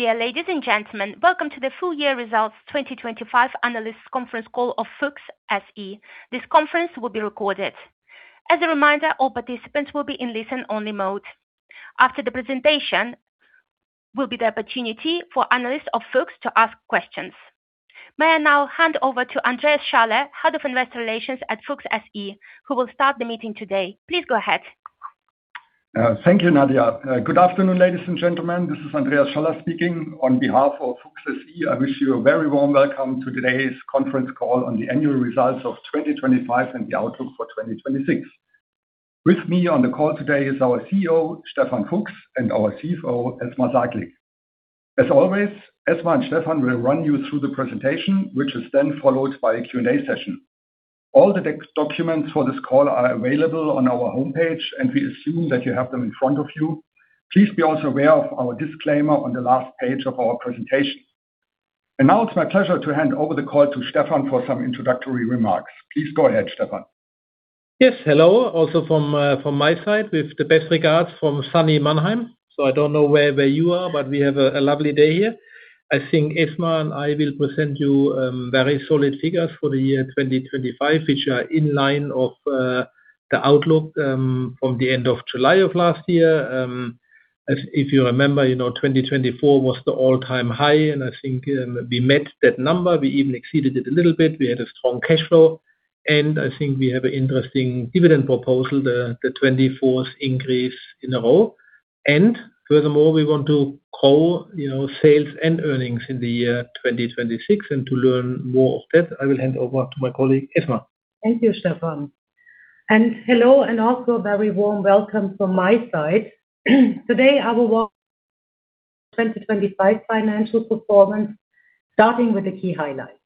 Dear ladies and gentlemen, welcome to the full year results 2025 Analyst Conference Call of FUCHS SE. This conference will be recorded. As a reminder, all participants will be in listen-only mode. After the presentation will be the opportunity for analysts of Fuchs to ask questions. May I now hand over to Andreas Schaller, Head of Investor Relations at FUCHS SE, who will start the meeting today. Please go ahead. Thank you Nadia. Good afternoon, ladies and gentlemen. This is Andreas Schaller speaking on behalf of FUCHS SE. I wish you a very warm welcome to today's conference call on the annual results of 2025 and the outlook for 2026. With me on the call today is our Chief Executive Officer, Stefan Fuchs, and our Chief Financial Officer, Esma Saglik. As always, Esma and Stefan will run you through the presentation, which is then followed by a Q&A session. All the text documents for this call are available on our homepage, and we assume that you have them in front of you. Please be also aware of our disclaimer on the last page of our presentation. Now it's my pleasure to hand over the call to Stefan for some introductory remarks. Please go ahead, Stefan. Yes, hello. Also from my side with the best regards from sunny Mannheim. I don't know where you are, but we have a lovely day here. I think Esma and I will present you very solid figures for the year 2025, which are in line with the outlook from the end of July of last year. If you remember, you know, 2024 was the all-time high, and I think we met that number. We even exceeded it a little bit. We had a strong cash flow, and I think we have an interesting dividend proposal, the 24th increase in a row. Furthermore, we want to grow, you know, sales and earnings in the year 2026. To learn more of that, I will hand over to my colleague, Esma. Thank you Stefan. Hello and also a very warm welcome from my side. Today I will walk through 2025 financial performance, starting with the key highlights.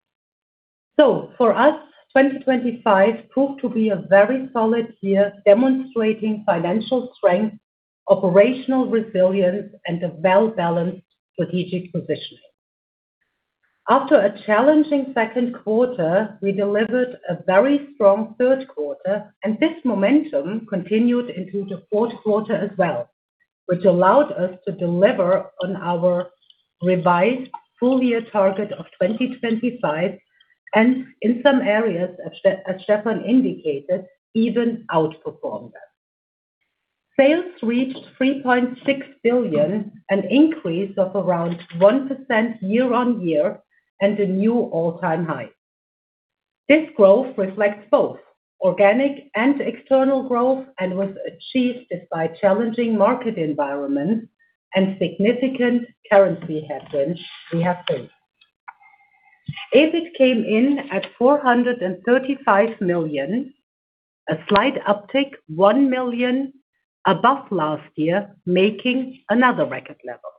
For us, 2025 proved to be a very solid year, demonstrating financial strength, operational resilience, and a well-balanced strategic positioning. After a challenging second quarter, we delivered a very strong third quarter, and this momentum continued into the fourth quarter as well, which allowed us to deliver on our revised full-year target of 2025 and in some areas, as Stefan indicated, even outperformed that. Sales reached 3.6 billion, an increase of around 1% year-on-year and a new all-time high. This growth reflects both organic and external growth and was achieved despite challenging market environments and significant currency headwinds we have faced. EBIT came in at 435 million, a slight uptick, 1 million above last year, making another record level.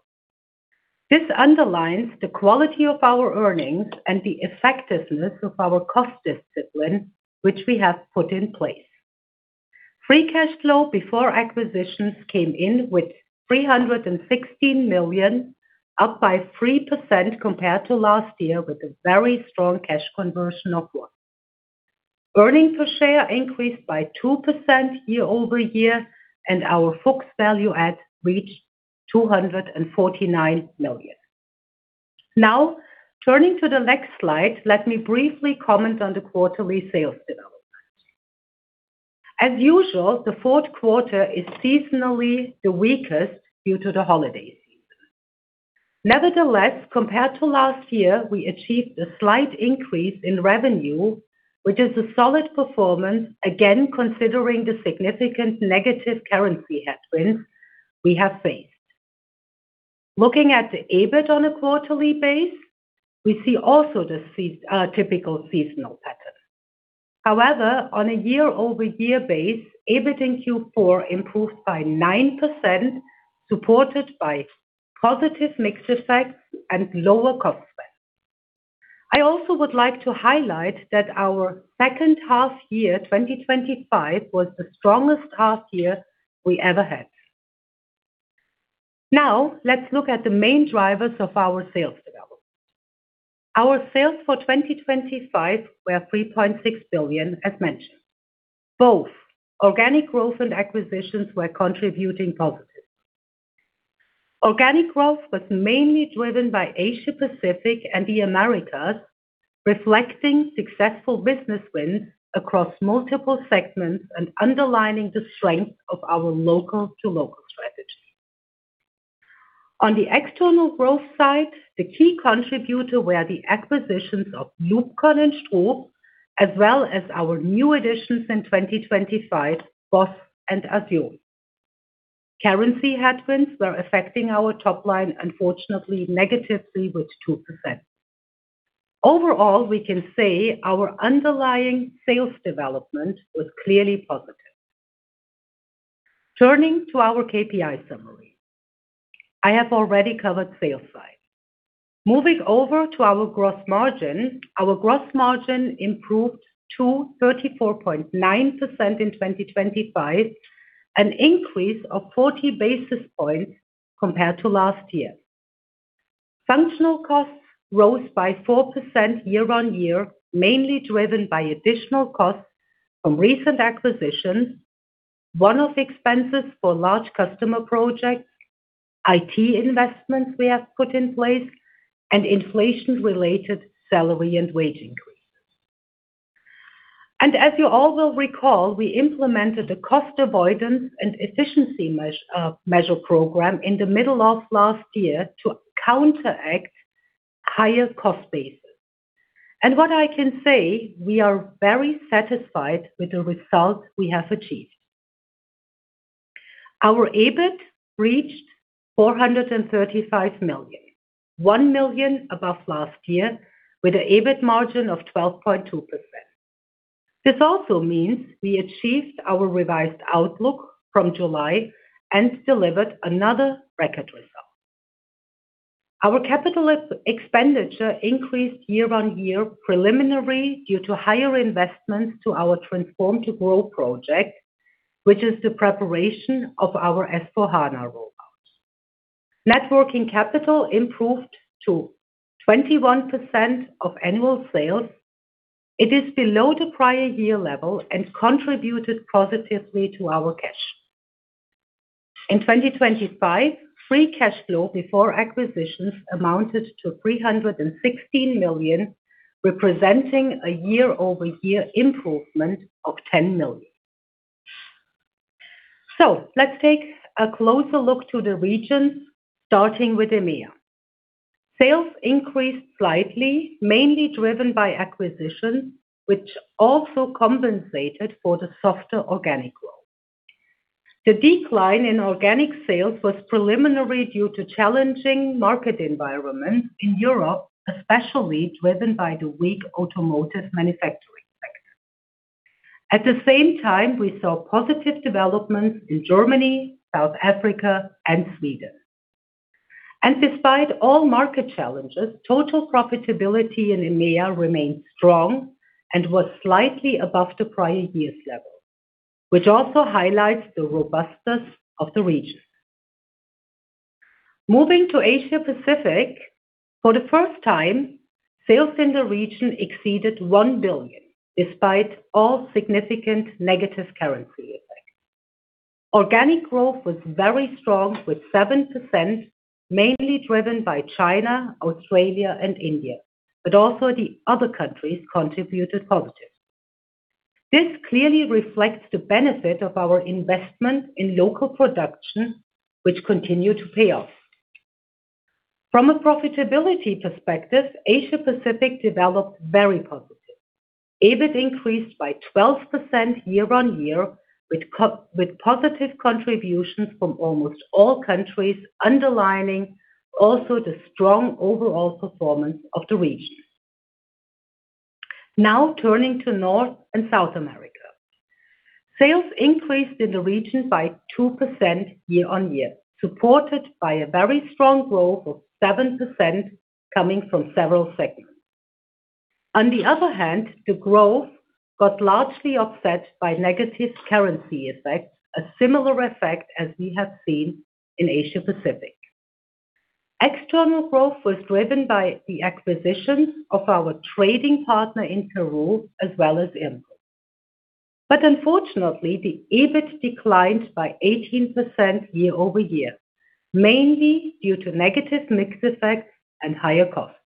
This underlines the quality of our earnings and the effectiveness of our cost discipline which we have put in place. Free cash flow before acquisitions came in with 316 million, up by 3% compared to last year with a very strong cash conversion of one. Earnings per share increased by 2% year-over-year, and our Fuchs Value Added reached 249 million. Now, turning to the next slide, let me briefly comment on the quarterly sales development. As usual, the fourth quarter is seasonally the weakest due to the holiday season. Nevertheless, compared to last year, we achieved a slight increase in revenue, which is a solid performance, again considering the significant negative currency headwinds we have faced. Looking at the EBIT on a quarterly base, we see also the typical seasonal pattern. However, on a year-over-year base, EBIT in Q4 improved by 9%, supported by positive mix effects and lower cost base. I also would like to highlight that our second half year, 2025, was the strongest half year we ever had. Now, let's look at the main drivers of our sales development. Our sales for 2025 were 3.6 billion, as mentioned. Both organic growth and acquisitions were contributing positively. Organic growth was mainly driven by Asia-Pacific and the Americas, reflecting successful business wins across multiple segments and underlining the strength of our local to local strategy. On the external growth side, the key contributor were the acquisitions of LUBCON and STRUB, as well as our new additions in 2025, BOSS and AZUR. Currency headwinds were affecting our top line, unfortunately negatively with 2%. Overall, we can say our underlying sales development was clearly positive. Turning to our KPI summary. I have already covered sales side. Moving over to our gross margin, our gross margin improved to 34.9% in 2025, an increase of 40 basis points compared to last year. Functional costs rose by 4% year-on-year, mainly driven by additional costs from recent acquisitions. One-off expenses for large customer projects, IT investments we have put in place, and inflation-related salary and wage increases. As you all will recall, we implemented a cost avoidance and efficiency measure program in the middle of last year to counteract higher cost bases. What I can say, we are very satisfied with the results we have achieved. Our EBIT reached 435 million, 1 million above last year, with an EBIT margin of 12.2%. This also means we achieved our revised outlook from July and delivered another record result. Our capital expenditure increased year-on-year preliminarily due to higher investments to our Transform to Grow project, which is the preparation of our S/4HANA rollout. Net working capital improved to 21% of annual sales. It is below the prior year level and contributed positively to our cash. In 2025, free cash flow before acquisitions amounted to 316 million, representing a year-over-year improvement of 10 million. Let's take a closer look to the regions, starting with EMEA. Sales increased slightly, mainly driven by acquisitions, which also compensated for the softer organic growth. The decline in organic sales was primarily due to challenging market environments in Europe, especially driven by the weak automotive manufacturing sector. At the same time, we saw positive developments in Germany, South Africa and Sweden. Despite all market challenges, total profitability in EMEA remained strong and was slightly above the prior year's level, which also highlights the robustness of the region. Moving to Asia-Pacific. For the first time, sales in the region exceeded 1 billion, despite all significant negative currency effects. Organic growth was very strong with 7%, mainly driven by China, Australia and India, but also the other countries contributed positive. This clearly reflects the benefit of our investment in local production, which continue to pay off. From a profitability perspective, Asia-Pacific developed very positive. EBIT increased by 12% year-on-year with positive contributions from almost all countries, underlining also the strong overall performance of the region. Now turning to North and South America. Sales increased in the region by 2% year-on-year, supported by a very strong growth of 7% coming from several sectors. On the other hand, the growth got largely offset by negative currency effects, a similar effect as we have seen in Asia-Pacific. External growth was driven by the acquisition of our trading partner in Peru as well as imports. Unfortunately, the EBIT declined by 18% year-over-year, mainly due to negative mix effects and higher costs.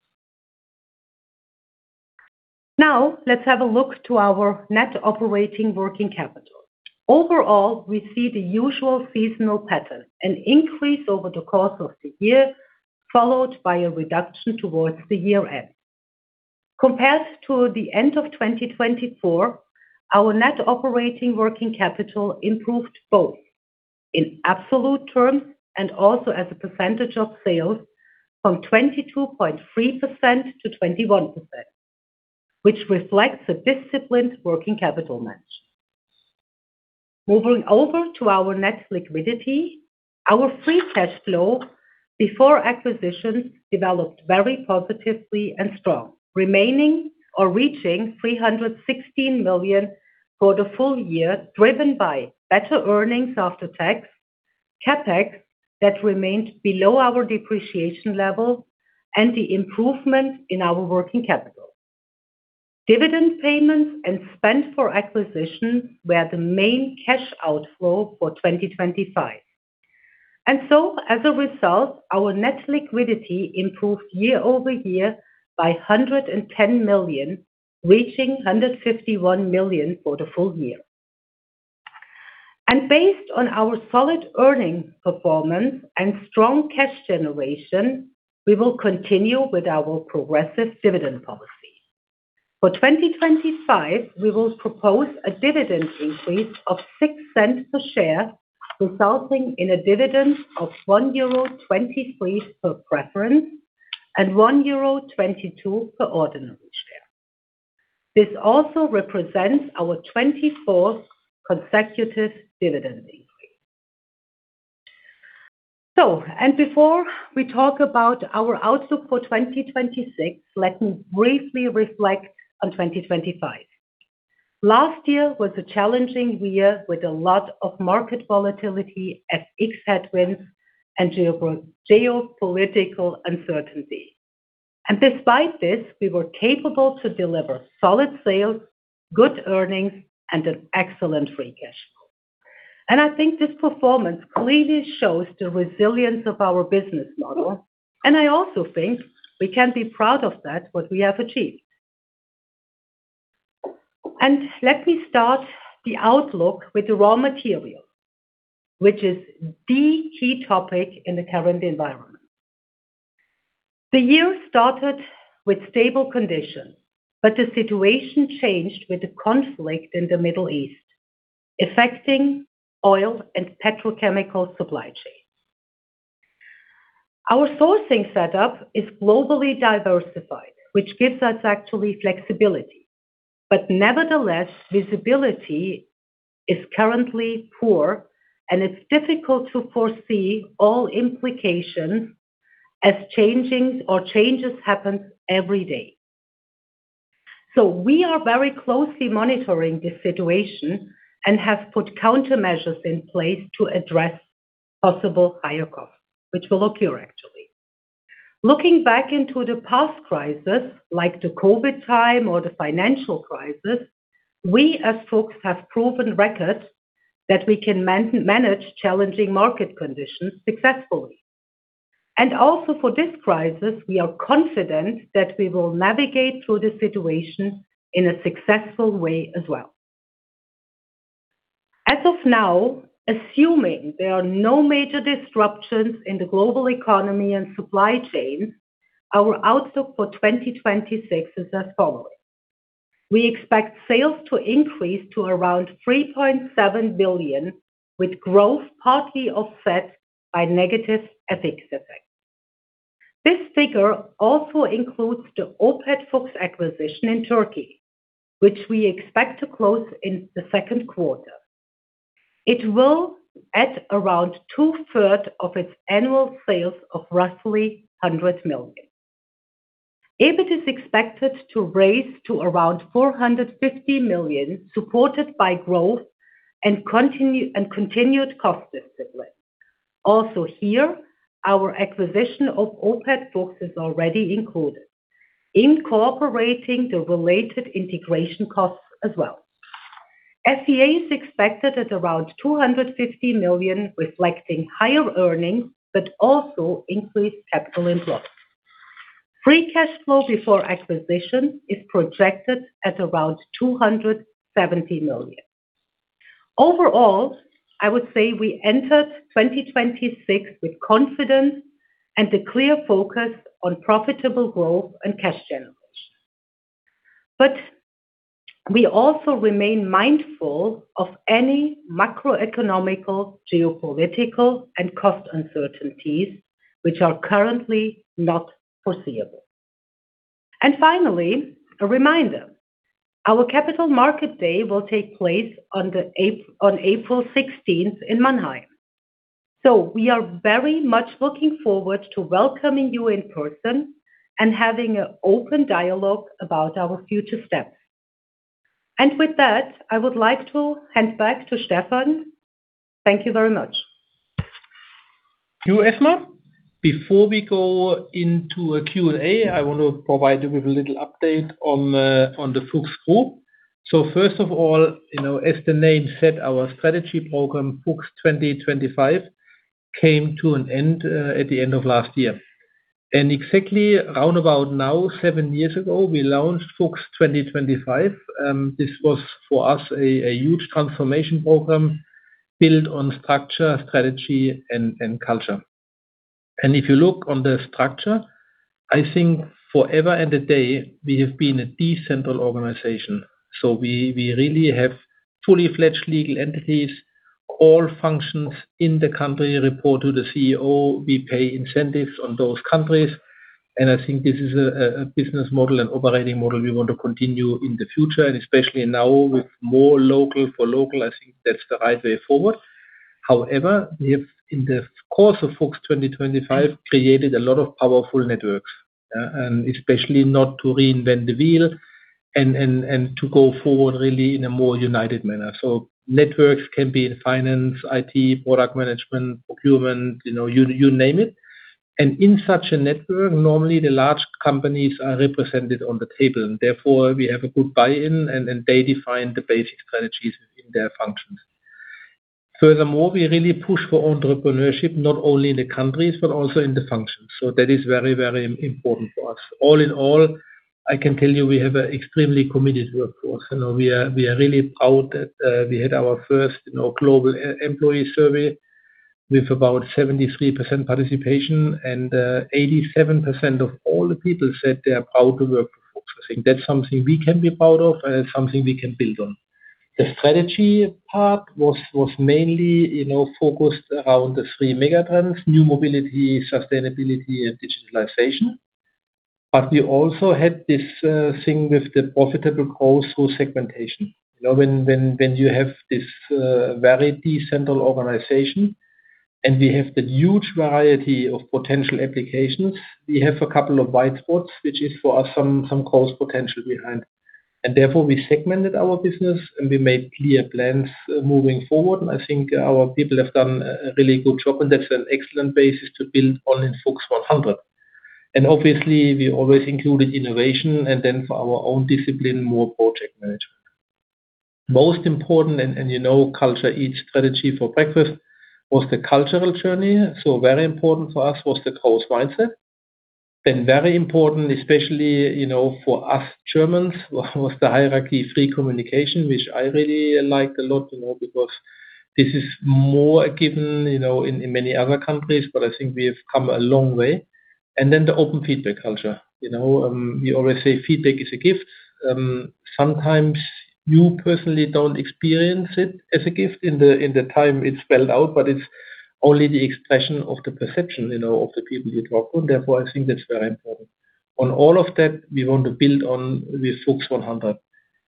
Now let's have a look at our net operating working capital. Overall, we see the usual seasonal pattern, an increase over the course of the year, followed by a reduction towards the year-end. Compared to the end of 2024, our net working capital improved both in absolute terms and also as a percentage of sales from 22.3%-21%, which reflects a disciplined working capital management. Moving over to our net liquidity. Our free cash flow before acquisitions developed very positively and strong, reaching 316 million for the full year, driven by better earnings after tax, CapEx that remained below our depreciation level, and the improvement in our working capital. Dividend payments and spending for acquisitions were the main cash outflow for 2025. As a result, our net liquidity improved year-over-year by 110 million, reaching 151 million for the full year. Based on our solid earnings performance and strong cash generation, we will continue with our progressive dividend policy. For 2025, we will propose a dividend increase of 0.06 per share, resulting in a dividend of 1.23 euro per preference and 1.22 euro per ordinary share. This also represents our 24th consecutive dividend increase. Before we talk about our outlook for 2026, let me briefly reflect on 2025. Last year was a challenging year with a lot of market volatility as headwinds and geopolitical uncertainty. Despite this, we were capable to deliver solid sales, good earnings, and an excellent free cash flow. I think this performance clearly shows the resilience of our business model, and I also think we can be proud of that what we have achieved. Let me start the outlook with the raw material, which is the key topic in the current environment. The year started with stable conditions, but the situation changed with the conflict in the Middle East, affecting oil and petrochemical supply chains. Our sourcing setup is globally diversified, which gives us actually flexibility. Nevertheless, visibility is currently poor, and it's difficult to foresee all implications as changes happen every day. We are very closely monitoring this situation and have put countermeasures in place to address possible higher costs, which will occur actually. Looking back into the past crisis, like the COVID time or the financial crisis we as Fuchs, have proven records that we can manage challenging market conditions successfully. Also for this crisis, we are confident that we will navigate through the situation in a successful way as well. As of now assuming there are no major disruptions in the global economy and supply chain, our outlook for 2026 is as follows: We expect sales to increase to around 3.7 billion, with growth partly offset by negative FX effects. This figure also includes the Opet Fuchs acquisition in Turkey, which we expect to close in the second quarter. It will add around two-thirds of its annual sales of roughly 100 million. EBIT is expected to rise to around 450 million, supported by growth and continued cost discipline. Also here, our acquisition of Opet Fuchs is already included, incorporating the related integration costs as well. FVA is expected at around 250 million, reflecting higher earnings but also increased capital employed. Free cash flow before acquisition is projected at about 270 million. Overall, I would say we entered 2026 with confidence and a clear focus on profitable growth and cash generation. We also remain mindful of any macroeconomic, geopolitical, and cost uncertainties which are currently not foreseeable. Finally, a reminder, our Capital Market Day will take place on April sixteenth in Mannheim. We are very much looking forward to welcoming you in person and having an open dialogue about our future steps. With that, I would like to hand back to Stefan. Thank you very much. Thank you Esma, Before we go into a Q&A, I want to provide you with a little update on the FUCHS Group. First of all, you know as the name said, our strategy program FUCHS2025, came to an end at the end of last year. Exactly around about now seven years ago, we launched FUCHS2025. This was for us a huge transformation program built on structure, strategy, and culture. If you look on the structure, I think forever and a day, we have been a decentral organization. We really have fully fledged legal entities. All functions in the country report to the Chief Executive Officer. We pay incentives on those countries. I think this is a business model and operating model we want to continue in the future, and especially now with more local for local, I think that's the right way forward. However we have, in the course of FUCHS2025, created a lot of powerful networks, and especially not to reinvent the wheel and to go forward really in a more united manner. Networks can be in finance, IT, product management, procurement, you know, you name it. In such a network, normally the large companies are represented on the table, and therefore we have a good buy-in, and they define the basic strategies in their functions. Furthermore, we really push for entrepreneurship, not only in the countries but also in the functions. That is very, very important for us. All in all, I can tell you we have an extremely committed workforce. You know, we are really proud that we had our first you know, global employee survey with about 73% participation and 87% of all the people said they are proud to work for FUCHS. I think that's something we can be proud of and something we can build on. The strategy part was mainly, you know focused around the three mega trends, new mobility, sustainability, and digitalization. But we also had this thing with the profitable growth through segmentation. You know, when you have this very decentralized organization and we have the huge variety of potential applications, we have a couple of white spots, which is for us some growth potential behind. Therefore, we segmented our business, and we made clear plans moving forward. I think our people have done a really good job, and that's an excellent basis to build on in FUCHS100. Obviously we always included innovation and then for our own discipline, more project management. Most important, you know, culture eats strategy for breakfast, was the cultural journey. Very important for us was the close mindset. Very important especially, you know, for us Germans, was the hierarchy free communication, which I really like a lot, you know, because this is more a given, you know, in many other countries, but I think we have come a long way. The open feedback culture, you know, we always say feedback is a gift. Sometimes you personally don't experience it as a gift in the time it's spelled out, but it's only the expression of the perception, you know, of the people you talk with. Therefore, I think that's very important. On all of that, we want to build on with FUCHS100.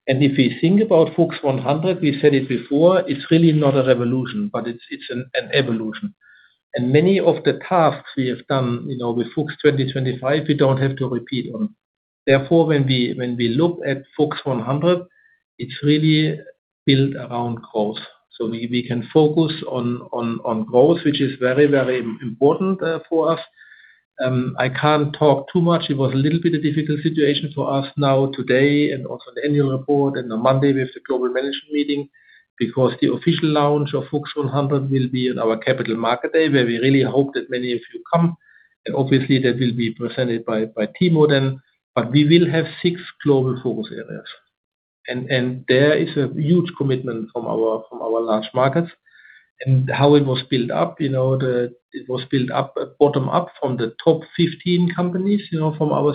If we think about FUCHS100, we said it before, it's really not a revolution, but it's an evolution. Many of the tasks we have done, you know, with FUCHS2025, we don't have to repeat them. Therefore, when we look at FUCHS100, it's really built around growth. We can focus on growth, which is very important for us. I can't talk too much. It was a little bit a difficult situation for us now today and also the annual report and on Monday with the global management meeting, because the official launch of FUCHS100 will be in our capital market day, where we really hope that many of you come. Obviously that will be presented by Timo then. We will have six global focus areas. There is a huge commitment from our large markets. How it was built up, you know, it was built up bottom up from the top 15 companies, you know, from our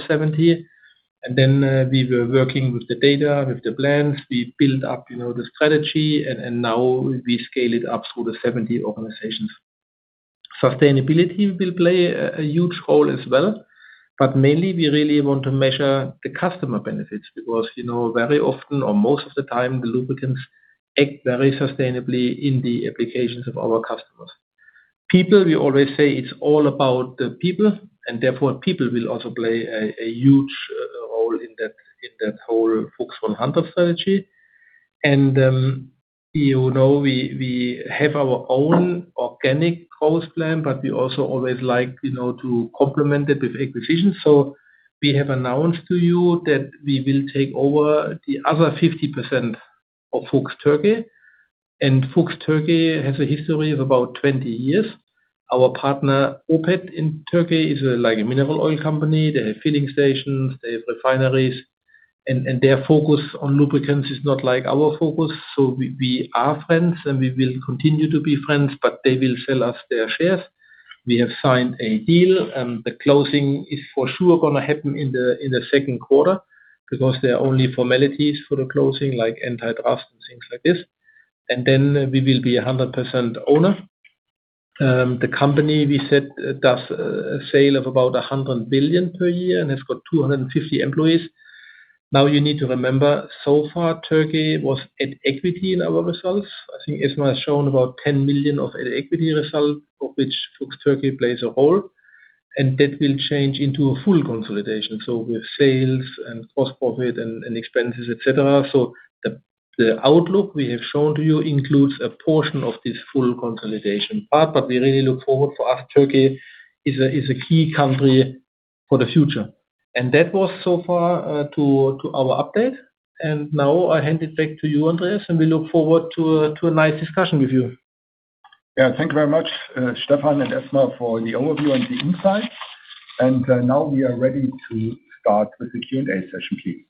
70. We were working with the data, with the plans. We built up, you know, the strategy and now we scale it up through the 70 organizations. Sustainability will play a huge role as well, but mainly we really want to measure the customer benefits because, you know, very often or most of the time, the lubricants act very sustainably in the applications of our customers. People, we always say it's all about the people and therefore people will also play a huge role in that whole FUCHS100 strategy. We have our own organic growth plan, but we also always like, you know, to complement it with acquisitions. We have announced to you that we will take over the other 50% of Opet FUCHS. Opet FUCHS has a history of about 20 years. Our partner Opet in Turkey is, like, a mineral oil company. They have filling stations, they have refineries, and their focus on lubricants is not like our focus. We are friends, and we will continue to be friends, but they will sell us their shares. We have signed a deal and the closing is for sure gonna happen in the second quarter because there are only formalities for the closing, like antitrust and things like this. Then we will be 100% owner. The company we said does sales of about 100 billion per year and has got 250 employees. Now you need to remember, so far Turkey was at equity in our results. I think Esma has shown about 10 million of equity result, of which FUCHS Turkey plays a role, and that will change into a full consolidation. With sales and cost profit and expenses, et cetera. The outlook we have shown to you includes a portion of this full consolidation part, but we really look forward. For us, Turkey is a key country for the future. That was so far our update. Now I hand it back to you, Andreas, and we look forward to a nice discussion with you. Yeah. Thank you very much, Stefan and Esma for the overview and the insight. Now we are ready to start with the Q&A session. Please.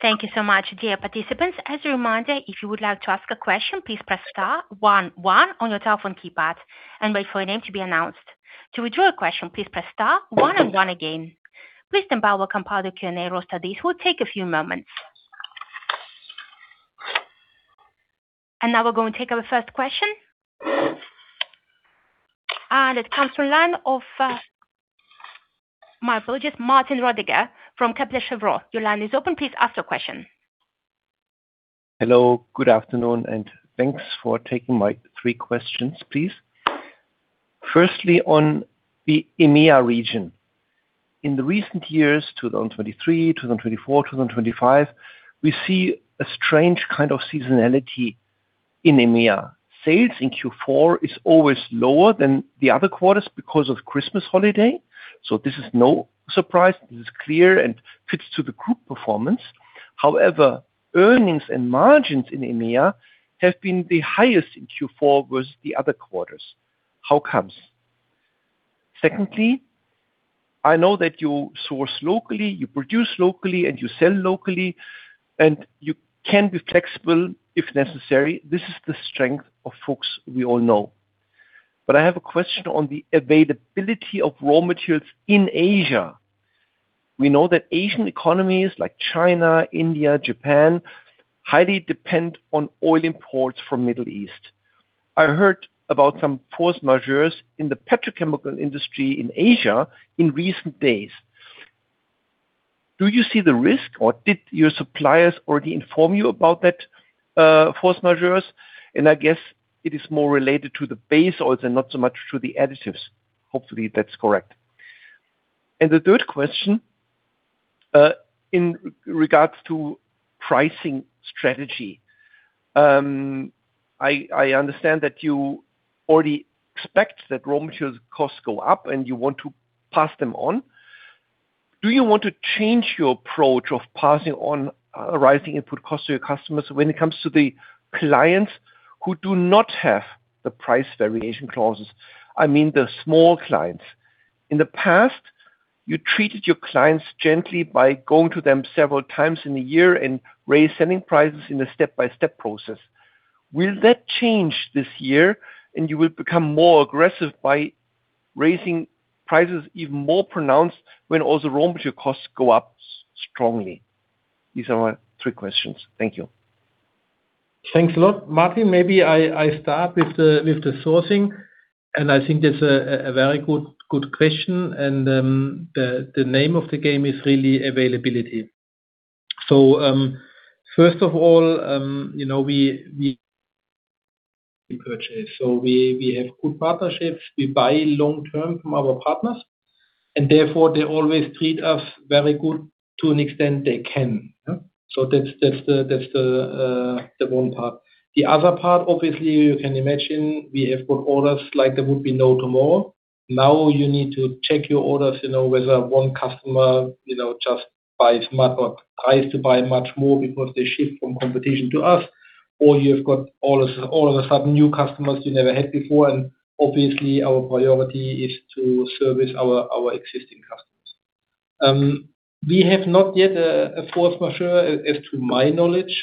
Thank you so much, Dear participants as a reminder, if you would like to ask a question, please press star one one on your telephone keypad and wait for your name to be announced. To withdraw your question please press star one and one again. Please stand by while we compile the Q&A roster. This will take a few moments. Now we're going to take our first question. It comes from line of, my apologies, Martin Roediger from Kepler Cheuvreux. Your line is open. Please ask your question. Hello good afternoon, and thanks for taking my three questions please. Firstly, on the EMEA region. In the recent years, 2023, 2024, 2025, we see a strange kind of seasonality in EMEA. Sales in Q4 is always lower than the other quarters because of Christmas holiday. This is no surprise. This is clear and fits to the group performance. However, earnings and margins in EMEA have been the highest in Q4 versus the other quarters. How comes? Secondly, I know that you source locally, you produce locally, and you sell locally, and you can be flexible if necessary. This is the strength of FUCHS we all know. I have a question on the availability of raw materials in Asia. We know that Asian economies like China, India, Japan, highly depend on oil imports from Middle East. I heard about some force majeure in the petrochemical industry in Asia in recent days. Do you see the risk, or did your suppliers already inform you about that? Force majeure, and I guess it is more related to the base oils and not so much to the additives. Hopefully that's correct. The third question, in regard to pricing strategy, I understand that you already expect that raw materials costs go up and you want to pass them on. Do you want to change your approach of passing on rising input costs to your customers when it comes to the clients who do not have the price variation clauses? I mean, the small clients. In the past, you treated your clients gently by going to them several times in a year and raise selling prices in a step-by-step process. Will that change this year, and you will become more aggressive by raising prices even more pronounced when also raw material costs go up strongly? These are my three questions. Thank you. Thanks a lot, Martin. Maybe I start with the sourcing, and I think that's a very good question. The name of the game is really availability. First of all, you know, we purchase. We have good partnerships. We buy long-term from our partners, and therefore they always treat us very good to an extent they can. That's the one part. The other part, obviously, you can imagine we have got orders like there would be no tomorrow. Now you need to check your orders, you know, whether one customer, you know, just buys much or tries to buy much more because they shift from competition to us. Or you've got all of a sudden new customers you never had before. Obviously, our priority is to service our existing customers. We have not yet a force majeure, as to my knowledge,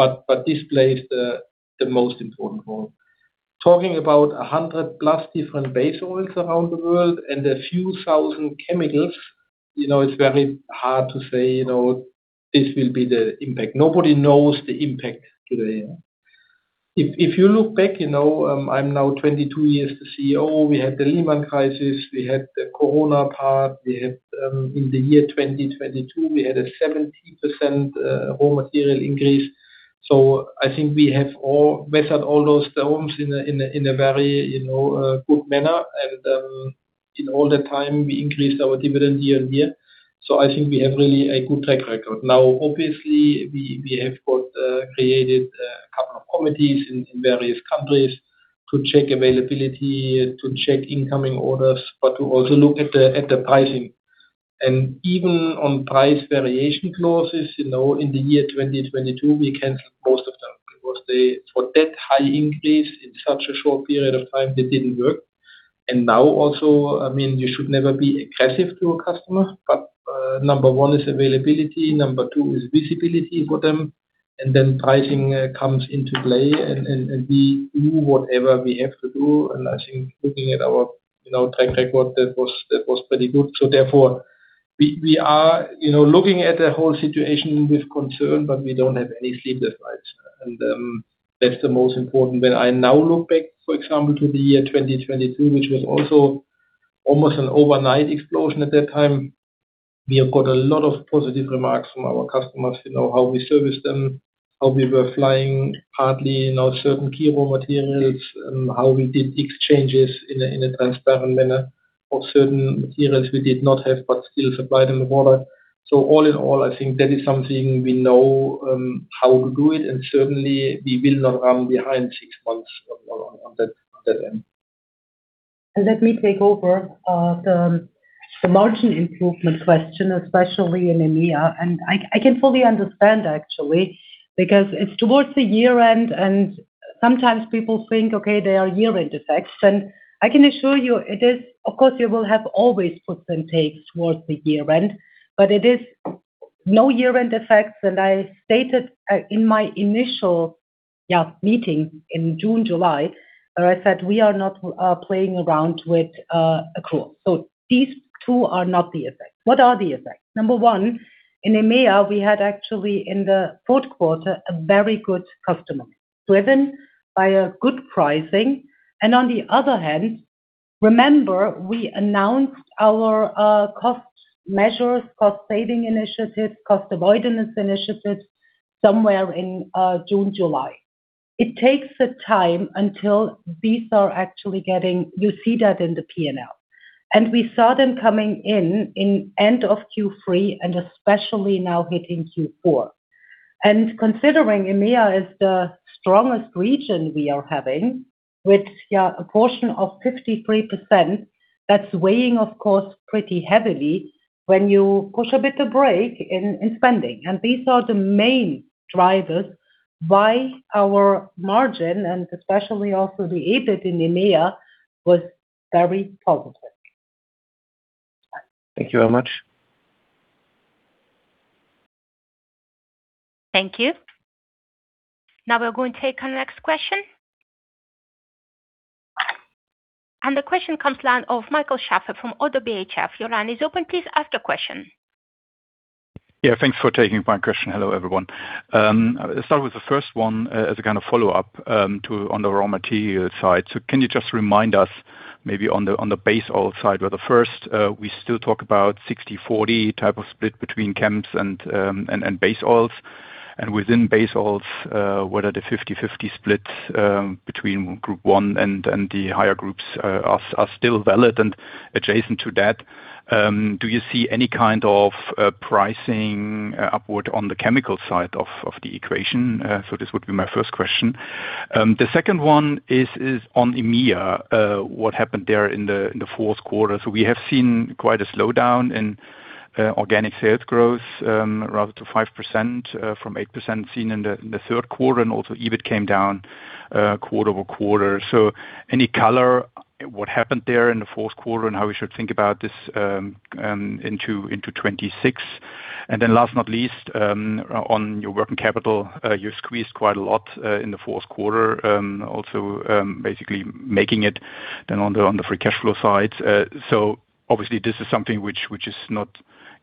but this plays the most important role. Talking about 100+ different base oils around the world and a few thousand chemicals, you know, it's very hard to say, you know, this will be the impact. Nobody knows the impact today. If you look back, you know, I'm now 22 years the Chief Executive Officer. We had the Lehman crisis. We had the Corona part. We had, in the year 2022, we had a 17% raw material increase. So I think we have all weathered all those storms in a very, you know, good manner. In all the time, we increased our dividend year on year. I think we have really a good track record. Now, obviously, we have got created a couple of committees in various countries to check availability, to check incoming orders, but to also look at the pricing. Even on price variation clauses, you know, in the year 2022, we canceled most of them because for that high increase in such a short period of time, they didn't work. Now also, I mean, you should never be aggressive to a customer, but number one is availability, number two is visibility for them, and then pricing comes into play and we do whatever we have to do. I think looking at our, you know, track record, that was pretty good. Therefore, we are you know, looking at the whole situation with concern, but we don't have any sleepless nights. That's the most important. When I now look back for example to the year 2022, which was also almost an overnight explosion at that time, we have got a lot of positive remarks from our customers, you know how we service them, how we were flying partly, you know certain key raw materials, how we did exchanges in a transparent manner of certain materials we did not have but still supplied in the market. All in all, I think that is something we know how to do it, and certainly we will not run behind six months on that end. Let me take over the margin improvement question, especially in EMEA. I can fully understand actually, because it's towards the year-end, and sometimes people think okay there are year-end effects. I can assure you it is of course, you will have always puts and takes towards the year-end, but it is no year-end effects. I stated in my initial meeting in June, July, where I said, we are not playing around with accrual. These two are not the effects. What are the effects? Number one, in EMEA, we had actually in the fourth quarter a very good customer, driven by a good pricing. On the other hand, remember we announced our cost measures, cost saving initiatives, cost avoidance initiatives somewhere in June, July. It takes the time until these are actually getting. You see that in the P&L. We saw them coming in end of Q3 and especially now hitting Q4. Considering EMEA is the strongest region we are having with yeah a portion of 53%, that's weighing, of course, pretty heavily when you push a bit of brake in spending. These are the main drivers why our margin, and especially also the EBIT in EMEA, was very positive. Thank you very much. Thank you. Now we're going to take our next question. The question comes from the line of Michael Schäfer from ODDO BHF. Your line is open. Please ask your question. Yeah, thanks for taking my question. Hello, everyone. I'll start with the first one as a kind of follow-up on the raw material side. Can you just remind us. Maybe on the base oil side where the first, we still talk about 60/40 type of split between chems and base oils. Within base oils, whether the 50/50 split between Group I and the higher groups are still valid. Adjacent to that, do you see any kind of pricing upward on the chemical side of the equation? This would be my first question. The second one is on EMEA, what happened there in the fourth quarter? We have seen quite a slowdown in organic sales growth rather to 5% from 8% seen in the third quarter. Also EBIT came down quarter-over-quarter. Any color what happened there in the fourth quarter and how we should think about this into 2026? Then last but not least on your working capital you squeezed quite a lot in the fourth quarter. Also basically making it then on the free cash flow side. Obviously this is something which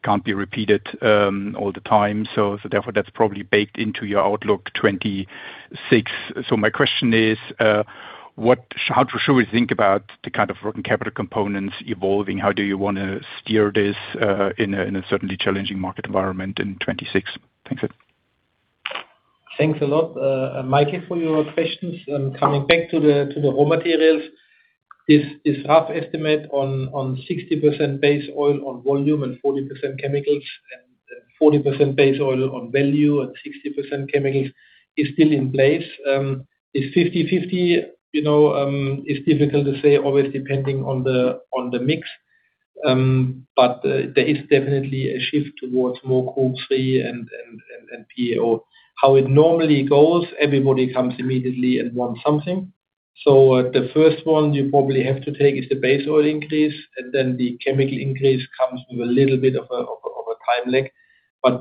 can't be repeated all the time. Therefore that's probably baked into your outlook 2026. My question is how should we think about the kind of working capital components evolving? How do you want to steer this, in a certainly challenging market environment in 2026? Thanks. Thanks a lot Michael, for your questions. Coming back to the raw materials, this rough estimate on 60% base oil on volume and 40% chemicals and 40% base oil on value and 60% chemicals is still in place. Is 50/50, you know, is difficult to say always depending on the mix. But there is definitely a shift towards more Group III and PAO. How it normally goes, everybody comes immediately and wants something. The first one you probably have to take is the base oil increase, and then the chemical increase comes with a little bit of a time lag.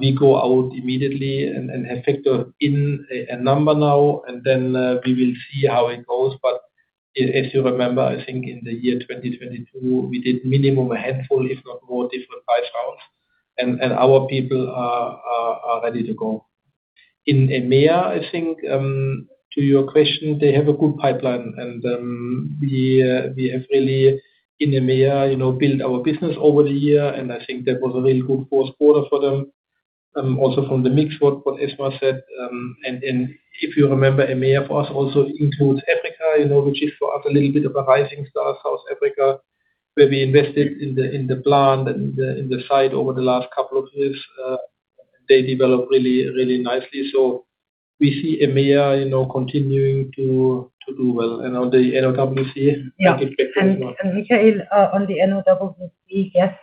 We go out immediately and have factored in a number now, and then we will see how it goes. If you remember, I think in the year 2022, we did minimum a handful, if not more different price rounds. Our people are ready to go. In EMEA, I think to your question they have a good pipeline. We have really in EMEA, you know built our business over the year, and I think that was a really good fourth quarter for them. Also from the mix, what Esma said. If you remember, EMEA for us also includes Africa, you know, which is for us a little bit of a rising star, South Africa, where we invested in the plant and the site over the last couple of years. They developed really nicely. We see EMEA, you know, continuing to do well. On the NOWC. Yeah. The cash flow. Michael, on the NOWC, yes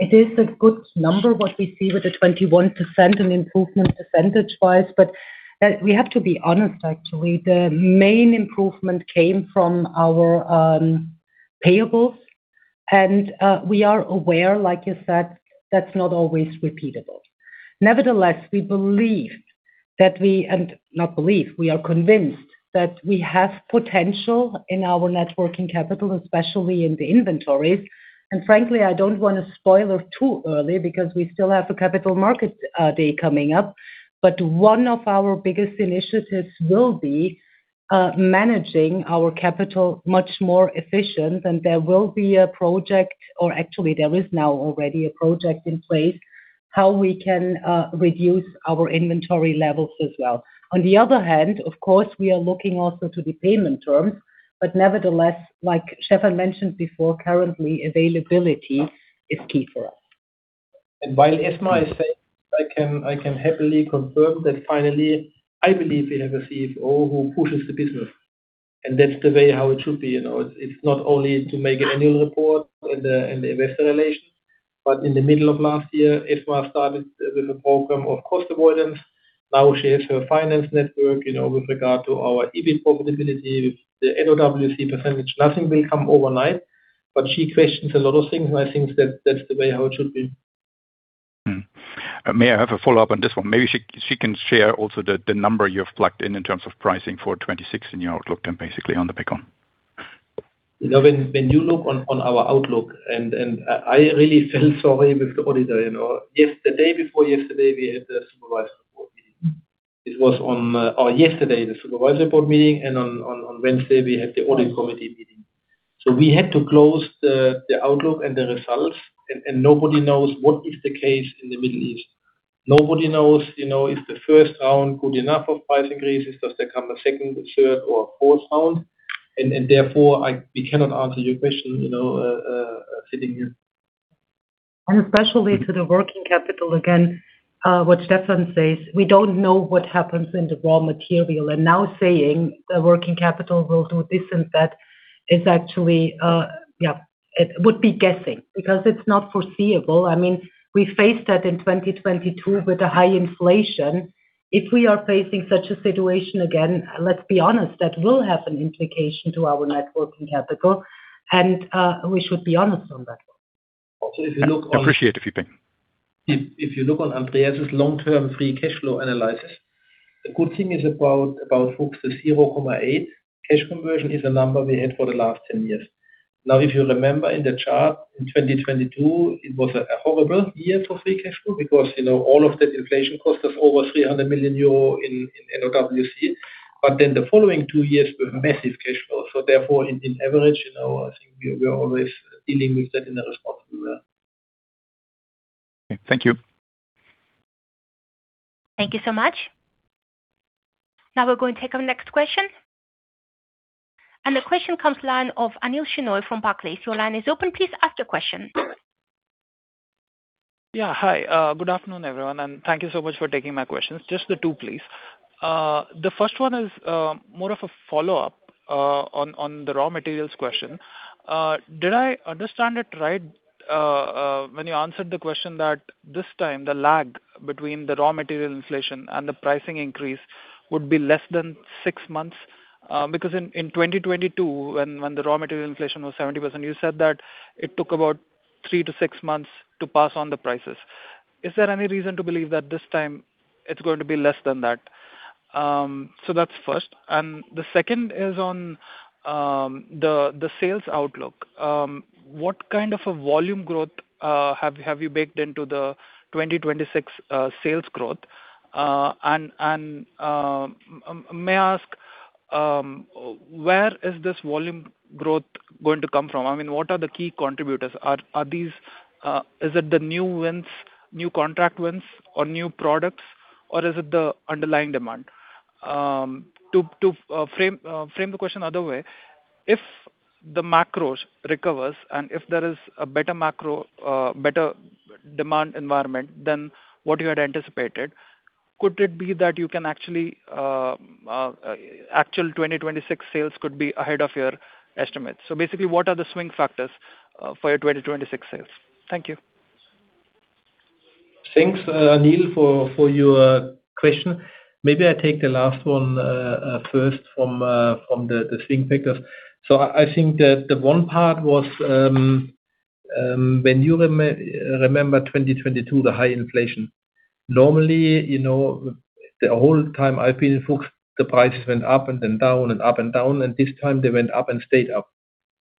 it is a good number, what we see with the 21% improvement percentage-wise. We have to be honest actually the main improvement came from our payables. We are aware, like you said that's not always repeatable. Nevertheless, we are convinced that we have potential in our net working capital especially in the inventories. Frankly, I don't want to spoil it too early because we still have a capital market day coming up. One of our biggest initiatives will be managing our capital much more efficient. There will be a project, or actually there is now already a project in place, how we can reduce our inventory levels as well. On the other hand, of course, we are looking also to the payment terms, but nevertheless, like Stefan mentioned before, currently availability is key for us. While Esma is saying I can, I can happily confirm that finally, I believe we have a Chief Financial Officer who pushes the business. That's the way how it should be. You know? It's not only to make annual report and the investor relations, but in the middle of last year, Esma started with a program of cost avoidance. Now she has her finance network, you know, with regard to our EBIT profitability, with the NOWC percentage. Nothing will come overnight, but she questions a lot of things, and I think that that's the way how it should be. May I have a follow-up on this one? Maybe she can share also the number you have plugged in terms of pricing for 2026 in your outlook and basically on the pick up on. When you look on our outlook and I really feel sorry with the auditor you know. Yes, the day before yesterday we had the supervisory board meeting. It was yesterday, the supervisory board meeting, and on Wednesday we had the audit committee meeting. So we had to close the outlook and the results. Nobody knows what is the case in the Middle East. Nobody knows, you know, is the first round good enough of price increases? Does there come a second, third or fourth round? Therefore, we cannot answer your question, you know fitting in. Especially to the working capital again, what Stefan says, we don't know what happens in the raw material. Now saying the working capital will do this and that is actually yeah, it would be guessing because it's not foreseeable. I mean, we faced that in 2022 with the high inflation. If we are facing such a situation again, let's be honest, that will have an implication to our net working capital. We should be honest on that one. Also, if you look on. Appreciate if you think. If you look on EMEA's long-term free cash flow analysis, the good thing about FUCHS is 0.8 cash conversion is a number we had for the last 10 years. Now, if you remember in the chart in 2022, it was a horrible year for free cash flow because you know all of that inflation cost of over 300 million euro in NOWC. The following two years were massive cash flow. On average, you know, I think we are always dealing with that in a responsible way. Thank you. Thank you so much. Now we're going to take our next question. The question comes from the line of Anil Shenoy from Barclays. Your line is open. Please ask your question. Yeah. Hi, good afternoon, everyone, and thank you so much for taking my questions. Just the two, please. The first one is more of a follow-up on the raw materials question. Did I understand it right when you answered the question that this time the lag between the raw material inflation and the pricing increase would be less than six months because in 2022 when the raw material inflation was 70%, you said that it took about three to six months to pass on the prices. Is there any reason to believe that this time it's going to be less than that? So that's first. And the second is on the sales outlook. What kind of a volume growth have you baked into the 2026 sales growth? May I ask where this volume growth is going to come from? I mean, what are the key contributors? Are these the new wins, new contract wins or new products, or is it the underlying demand? To frame the question another way, if the macro recovers and if there is a better macro, better demand environment than what you had anticipated, could it be that you can actually 2026 sales could be ahead of your estimates? Basically, what are the swing factors for your 2026 sales? Thank you. Thanks Anil, for your question. Maybe I take the last one first from the swing factors. I think that the one part was when you remember 2022, the high inflation. Normally, you know, the whole time I've been in Fuchs, the prices went up and then down and up and down, and this time they went up and stayed up.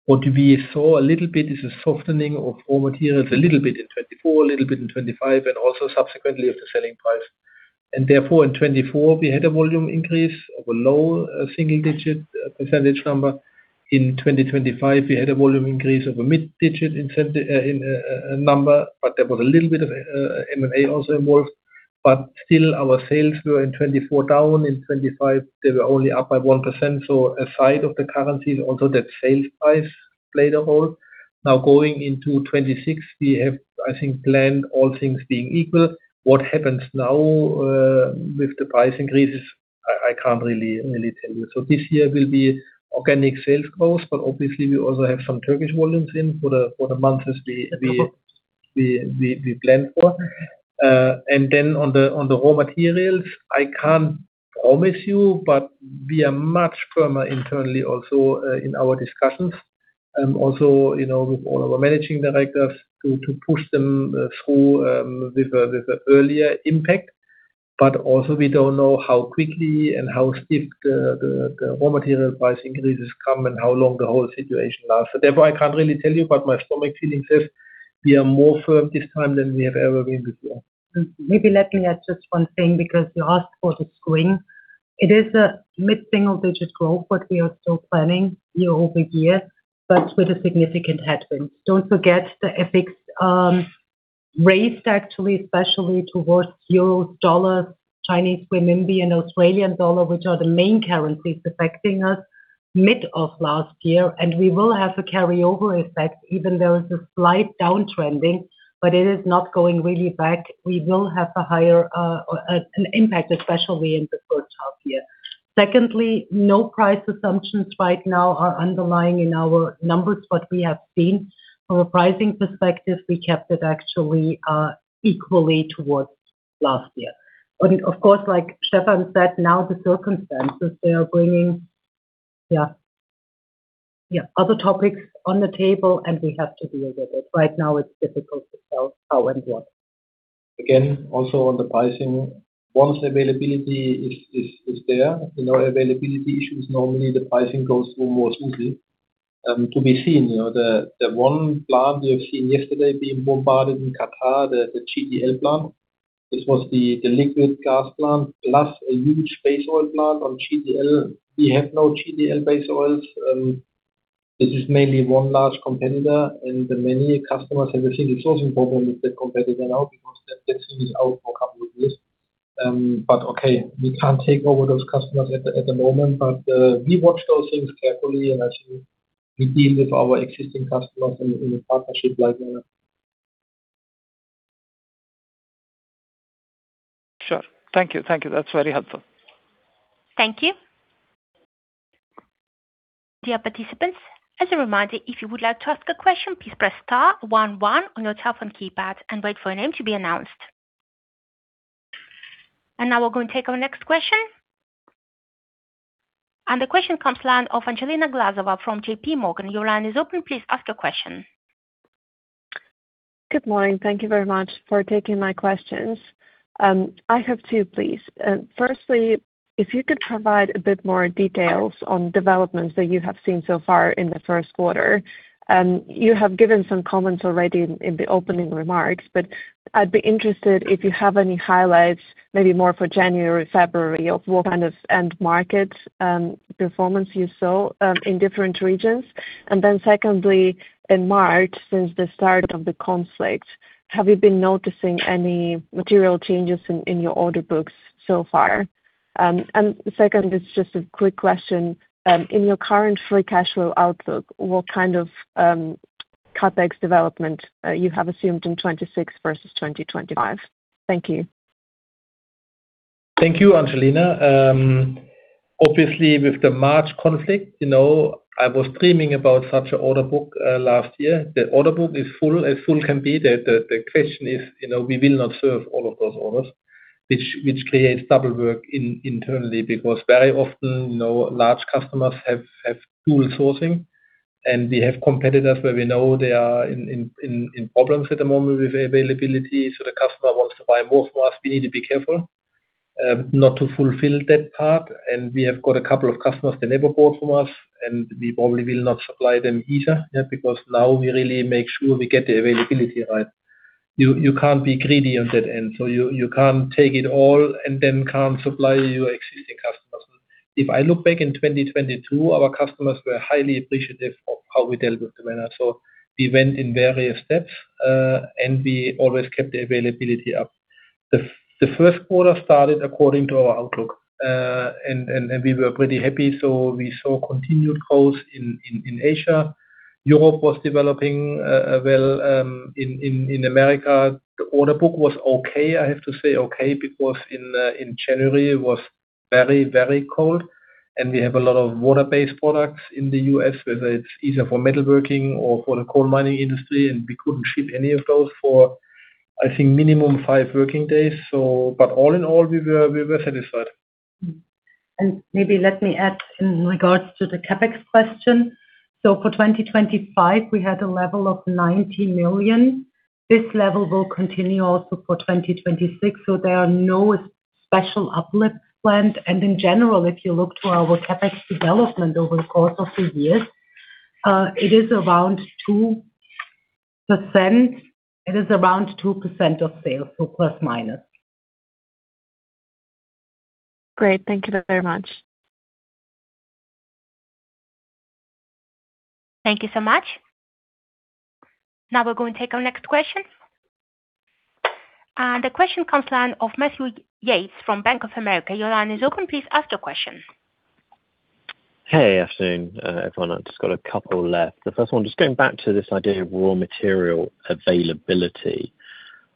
What we saw a little bit is a softening of raw materials a little bit in 2024, a little bit in 2025, and also subsequently at the selling price. Therefore, in 2024 we had a volume increase of a low single-digit percentage. In 2025, we had a volume increase of a mid-single-digit number, but there was a little bit of M&A also involved. Still our sales were in 2024, down in 2025, they were only up by 1%. Aside from the currencies, also that sales price played a role. Now, going into 2026, we have, I think, planned all things being equal. What happens now with the price increases, I can't really tell you. This year will be organic sales growth, but obviously we also have some Turkish volumes in for the months as we planned for. On the raw materials, I can't promise you, but we are much firmer internally also in our discussions also, you know, with all our managing directors to push them through with a earlier impact. Also we don't know how quickly and how steep the raw material price increases come and how long the whole situation lasts. Therefore, I can't really tell you but my gut feeling says we are more firm this time than we have ever been before. Maybe let me add just one thing, because you asked for the swing. It is a mid-single digit growth, what we are still planning year-over-year, but with a significant headwind. Don't forget the FX, raised actually especially towards Euro, dollar, Chinese Renminbi and Australian dollar, which are the main currencies affecting us mid of last year. We will have a carryover effect even though there's a slight downturn, but it is not going really back. We will have a higher, an impact, especially in the first half year. Secondly, no price assumptions right now are underlying in our numbers. What we have seen from a pricing perspective, we kept it actually, equally towards last year. Of course, like Stefan said, now the circumstances, they are bringing other topics on the table and we have to deal with it. Right now it's difficult to tell how and what. Again also on the pricing, once availability is there, you know, availability issues, normally the pricing goes through more smoothly, to be seen. You know, the one plant we have seen yesterday being bombarded in Qatar, the GTL plant. This was the liquid gas plant, plus a huge base oil plant on GTL. We have no GTL base oils. This is maybe one large competitor, and the many customers have a serious sourcing problem with that competitor now because that thing is out for a couple of years. But okay, we can't take over those customers at the moment. We watch those things carefully and as we deal with our existing customers in a partnership like manner. Sure. Thank you. Thank you. That's very helpful. Thank you. Dear participants, as a reminder, if you would like to ask a question, please press star one one on your telephone keypad and wait for your name to be announced. Now we're going to take our next question. The question comes from the line of Angelina Glazova from J.P. Morgan. Your line is open. Please ask your question. Good morning. Thank you very much for taking my questions. I have two, please. Firstly, if you could provide a bit more details on developments that you have seen so far in the first quarter. You have given some comments already in the opening remarks, but I'd be interested if you have any highlights, maybe more for January, February of what kind of end market performance you saw in different regions. Secondly, in March, since the start of the conflict, have you been noticing any material changes in your order books so far? Second is just a quick question. In your current free cash flow outlook, what kind of CapEx development you have assumed in 2026 versus 2025. Thank you. Thank you Angelina. Obviously, with the March conflict, you know, I was dreaming about such an order book last year. The order book is full, as full can be. The question is, you know, we will not serve all of those orders, which creates double work internally, because very often, you know, large customers have dual sourcing, and we have competitors where we know they are in problems at the moment with availability, so the customer wants to buy more from us. We need to be careful not to fulfill that part. We have got a couple of customers that never bought from us, and we probably will not supply them either. Yeah, because now we really make sure we get the availability right. You can't be greedy on that end. You can't take it all and then can't supply your existing customers. If I look back in 2022, our customers were highly appreciative of how we dealt with the weather. We went in various steps, and we always kept the availability up. The first quarter started according to our outlook. We were pretty happy. We saw continued growth in Asia. Europe was developing well. In America, the order book was okay. I have to say okay, because in January, it was very cold. We have a lot of water-based products in the U.S., whether it's either for metalworking or for the coal mining industry. We couldn't ship any of those for, I think, minimum five working days. All in all, we were satisfied. Maybe let me add in regards to the CapEx question. For 2025, we had a level of 90 million. This level will continue also for 2026, so there are no special uplift planned. In general, if you look to our CapEx development over the course of the years, it is around 2%. It is around 2% of sales, so plus minus. Great. Thank you very much. Thank you so much. Now we're gonna take our next question. The question comes from the line of Matthew Yates from Bank of America. Your line is open. Please ask your question. Hey afternoon everyone. I've just got a couple left. The first one, just going back to this idea of raw material availability.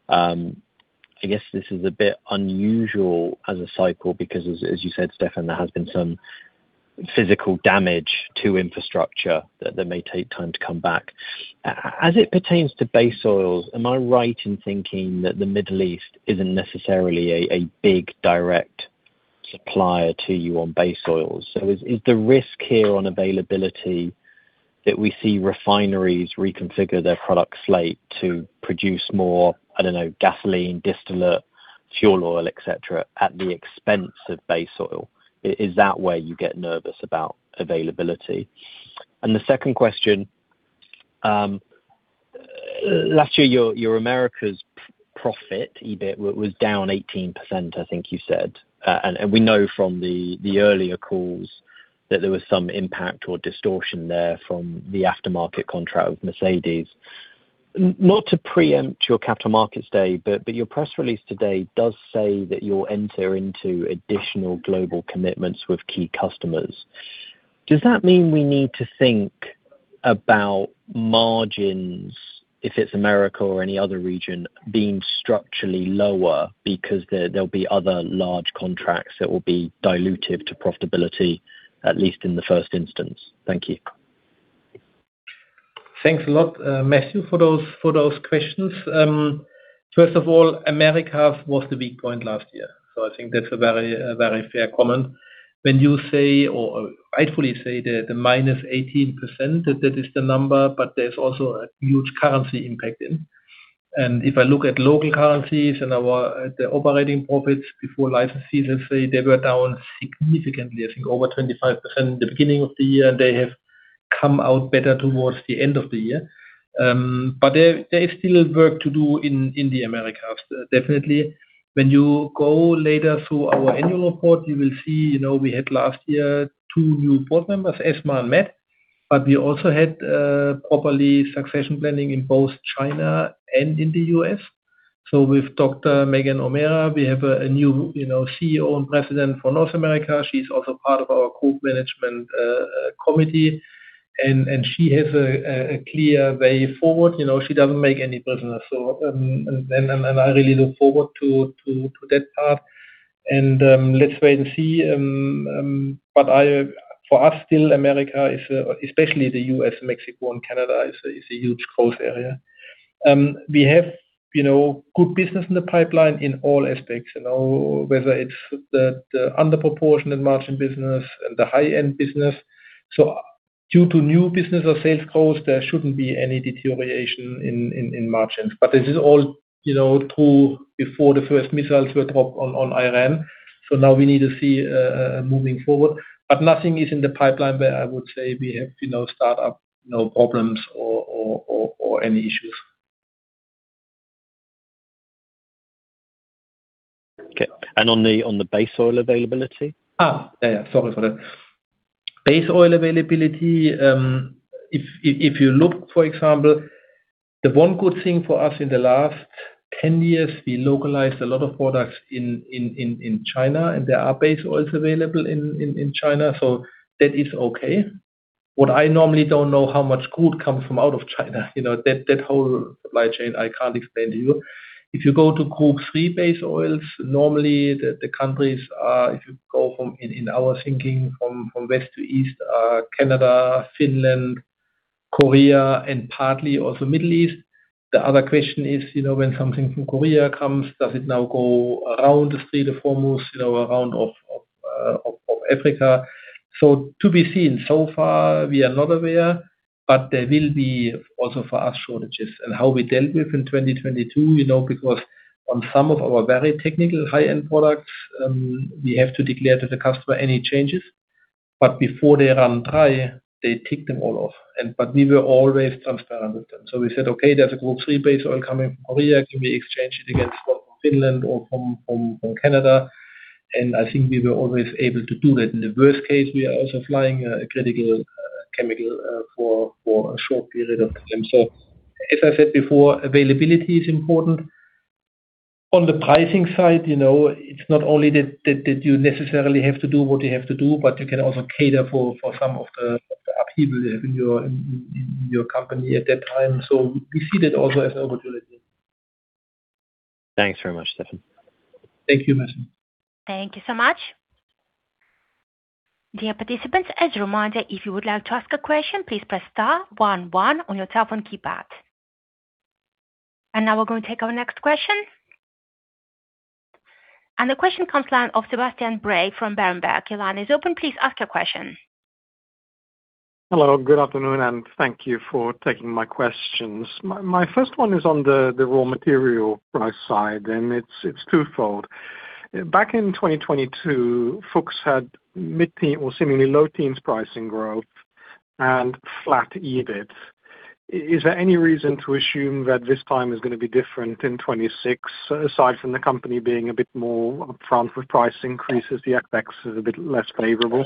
I guess this is a bit unusual as a cycle because as you said, Stefan, there has been some physical damage to infrastructure that may take time to come back. As it pertains to base oils, am I right in thinking that the Middle East isn't necessarily a big direct supplier to you on base oils? So is the risk here on availability that we see refineries reconfigure their product slate to produce more, I don't know, gasoline, distillate, fuel oil, et cetera, at the expense of base oil? Is that where you get nervous about availability? And the second question last year, your America's profit, EBIT, was down 18%, I think you said. We know from the earlier calls that there was some impact or distortion there from the aftermarket contract with Mercedes-Benz. Not to preempt your Capital Markets Day, but your press release today does say that you'll enter into additional global commitments with key customers. Does that mean we need to think about margins, if it's America or any other region, being structurally lower because there'll be other large contracts that will be dilutive to profitability, at least in the first instance? Thank you. Thanks a lot Matthew, for those questions. First of all, Americas was the weak point last year, so I think that's a very fair comment. When you say or rightfully say the minus 18%, that is the number, but there's also a huge currency impact in. If I look at local currencies and our operating profits before licenses, say they were down significantly, I think over 25% at the beginning of the year. They have come out better towards the end of the year. But there is still work to do in the Americas, definitely. When you go later through our annual report, you will see, you know, we had last year two new board members, Esma and Matt, but we also had proper succession planning in both China and in the U.S. With Dr. Megan O'Meara, we have a new, you know, Chief Executive Officer and President for North America. She's also part of our group management committee, and she has a clear way forward. You know, she doesn't make any prisoners. I really look forward to that part. Let's wait and see. For us, still, America, especially the U.S., Mexico and Canada, is a huge growth area. We have, you know, good business in the pipeline in all aspects, you know, whether it's the under-proportioned margin business and the high-end business. Due to new business or sales growth, there shouldn't be any deterioration in margins. This is all, you know, true before the first missiles were dropped on Iran. Now we need to see, moving forward. Nothing is in the pipeline where I would say we have, you know, startup, you know, problems or any issues. Okay. On the base oil availability? Sorry for that. Base oil availability, if you look, for example. The one good thing for us in the last 10 years, we localized a lot of products in China, and there are base oils available in China, so that is okay. What I normally don't know how much crude comes from out of China, you know. That whole supply chain, I can't explain to you. If you go to Group III base oils, normally the countries are, if you go, in our thinking, from West to East, Canada, Finland, Korea, and partly also Middle East. The other question is, you know, when something from Korea comes, does it now go around the Strait of Hormuz, you know, around Africa. To be seen so far we are not aware but there will also be for us shortages and how we dealt with in 2022, you know because on some of our very technical high-end products, we have to declare to the customer any changes. But before they run dry, they tick them all off but we were always transparent with them. We said, "Okay, there's a Group III base oil coming from Korea. Can we exchange it against one from Finland or from Canada?" I think we were always able to do that. In the worst case, we are also flying a critical chemical for a short period of time. As I said before, availability is important. On the pricing side you know, it's not only that you necessarily have to do what you have to do, but you can also cater for some of the upheaval you have in your company at that time. We see that also as an opportunity. Thanks very much, Stefan. Thank you, Matthew. Thank you so much. Dear participants, as a reminder, if you would like to ask a question, please press star one one on your telephone keypad. Now we're gonna take our next question. The question comes from the line of Sebastian Bray from Berenberg. Your line is open. Please ask your question. Hello good afternoon, and thank you for taking my questions. My first one is on the raw material price side, and it's twofold. Back in 2022, Fuchs had mid-teens or seemingly low teens pricing growth and flat EBIT. Is there any reason to assume that this time is gonna be different in 2026, aside from the company being a bit more upfront with price increases, the FX is a bit less favorable?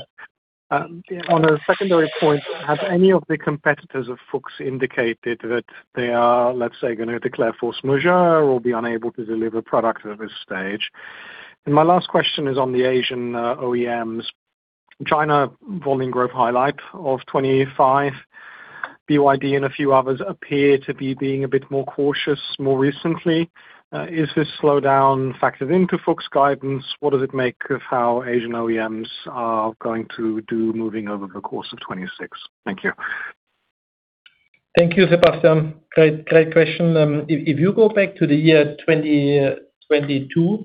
On a secondary point, have any of the competitors of Fuchs indicated that they are, let's say, gonna declare force majeure or be unable to deliver product at this stage? My last question is on the Asian OEMs China volume growth highlight of 2025. BYD and a few others appear to be being a bit more cautious more recently. Is this slowdown factored into Fuchs guidance? What does it make of how Asian OEMs are going to do moving over the course of 2026? Thank you. Thank you Sebastian. Great question. If you go back to the year 2022,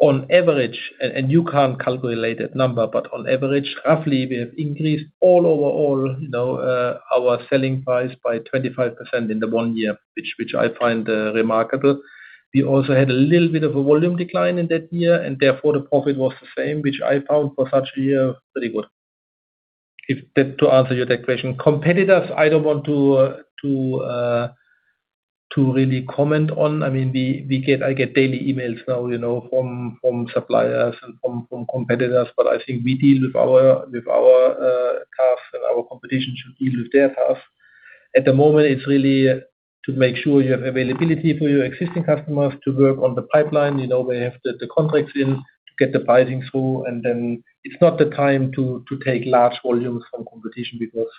on average, you can't calculate that number, but on average, roughly we have increased all overall, you know, our selling price by 25% in the one year, which I find remarkable. We also had a little bit of a volume decline in that year, and therefore the profit was the same, which I found for such a year, pretty good. To answer your tech question. Competitors, I don't want to really comment on. I mean, we get, I get daily emails now, you know, from suppliers and from competitors. I think we deal with our tasks and our competition should deal with their tasks. At the moment, it's really to make sure you have availability for your existing customers to work on the pipeline. You know, we have the contracts in to get the pricing through, and then it's not the time to take large volumes from competition because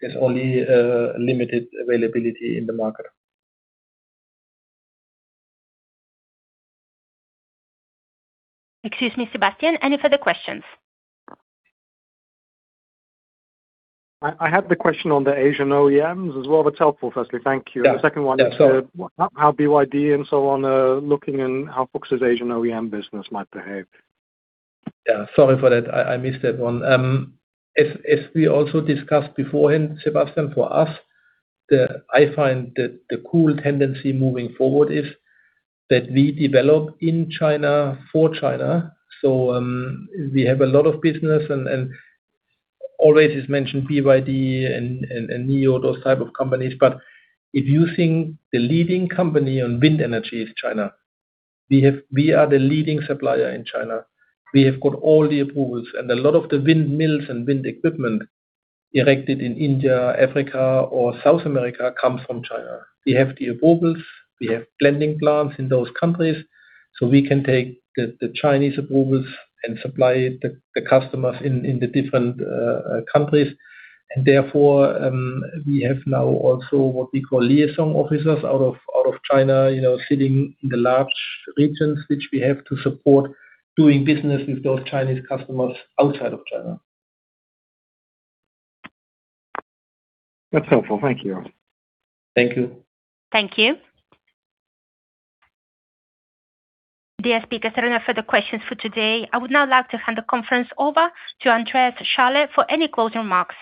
there's only limited availability in the market. Excuse me, Sebastian, any further questions? I had the question on the Asian OEMs as well. That's helpful. Firstly, thank you. Yeah. The second one is how BYD and so on looking and how Fuchs's Asian OEM business might behave. Yeah, sorry for that. I missed that one. As we also discussed beforehand, Sebastian for us, I find the cool tendency moving forward is that we develop in China for China. We have a lot of business and always is mentioned, BYD and NIO, those type of companies. But if you think the leading company on wind energy is China, we are the leading supplier in China. We have got all the approvals and a lot of the wind mills and wind equipment erected in India, Africa or South America comes from China. We have the approvals, we have blending plants in those countries, so we can take the Chinese approvals and supply the customers in the different countries. Therefore, we have now also what we call liaison officers out of China, you know, sitting in the large regions which we have to support doing business with those Chinese customers outside of China. That's helpful. Thank you. Thank you. Thank you. Dear speakers, there are no further questions for today. I would now like to hand the conference over to Andreas Schaller for any closing remarks.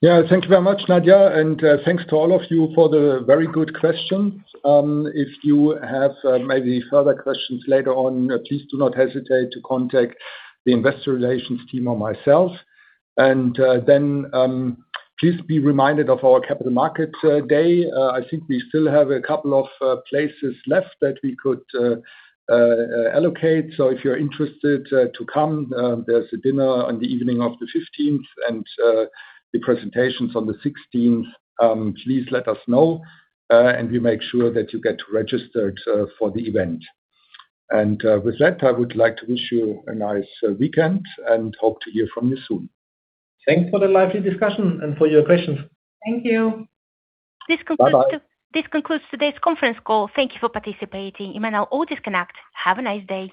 Yeah. Thank you very much, Nadia, and thanks to all of you for the very good questions. If you have maybe further questions later on, please do not hesitate to contact the Investor Relations team or myself. Please be reminded of our Capital Markets Day. I think we still have a couple of places left that we could allocate. If you're interested to come, there's a dinner on the evening of the 15th and the presentations on the sixteenth. Please let us know, and we make sure that you get registered for the event. With that, I would like to wish you a nice weekend and hope to hear from you soon. Thanks for the lively discussion and for your questions. Thank you. This concludes. Bye-bye. This concludes today's conference call. Thank you for participating. You may now all disconnect. Have a nice day.